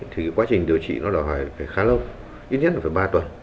thì quá trình điều trị nó đòi hỏi phải khá lâu ít nhất là phải ba tuần